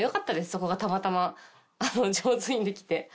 そこがたまたま上手にできて。